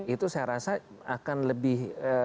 itu saya rasa akan lebih